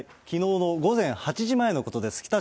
きのうの午前８時前のことです。